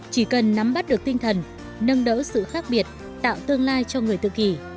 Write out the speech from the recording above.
chỉ cần nắm bắt được tinh thần nâng đỡ sự khác biệt tạo tương lai cho người tự kỷ